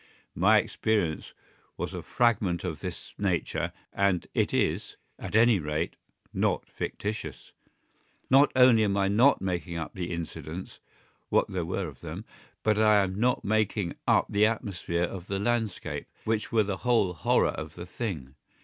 My experience was a fragment of this nature, and it is, at any rate, not fictitious. Not only am I not making up the incidents (what there were of them), but I am not making up the atmosphere of the landscape, which were the whole horror of the thing.